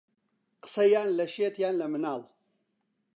قسە یان لە شێت یان لە مناڵ